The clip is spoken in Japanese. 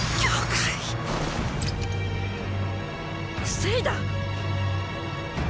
防いだ